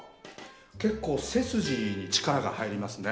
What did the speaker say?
結構背筋に力が入りますね。